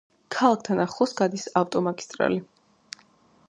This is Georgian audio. ქალაქთან ახლოს გადის ავტომაგისტრალი.